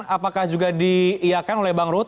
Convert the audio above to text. apakah juga diiakan oleh bang ruhut